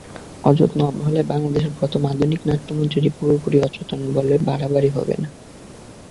অযত্ন অবহেলায় বাংলাদেশের প্রথম আধুনিক নাট্যমঞ্চটি পুরোপুরি অচল বললে বাড়াবাড়ি হবে না।